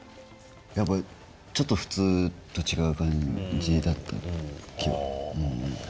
やっぱちょっと普通と違う感じだった気はうん。